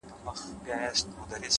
دلته خواران ټوله وي دلته ليوني ورانوي _